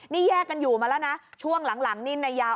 นี่แยกกันอยู่มาแล้วนะช่วงหลังนิ่นในยาว